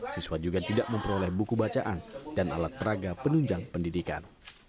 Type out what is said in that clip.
siswa juga tidak memperoleh buku bacaan dan alat peraga penunjang pendidikan